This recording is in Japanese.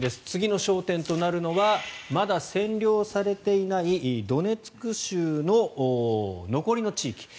次の焦点となるのはまだ占領されていないドネツク州の残りの地域